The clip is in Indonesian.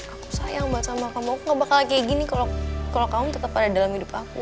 aku sayang mbak sama kamu gak bakal kayak gini kalau kamu tetap ada dalam hidup aku